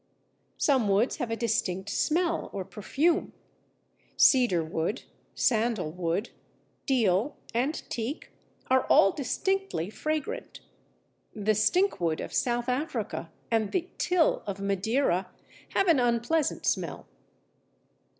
Some woods have a distinct smell or perfume. Cedarwood, Sandalwood, Deal, and Teak, are all distinctly fragrant. The Stinkwood of South Africa and the Til of Madeira have an unpleasant smell.